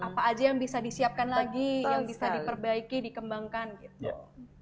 apa aja yang bisa disiapkan lagi yang bisa diperbaiki dikembangkan gitu